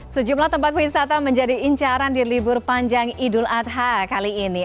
sejumlah tempat wisata menjadi incaran di libur panjang idul adha kali ini